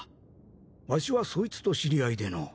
わしはそいつと知り合いでのう。